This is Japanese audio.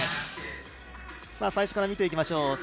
最初から見ていきましょう。